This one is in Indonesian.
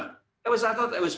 saya pikir itu sangat indah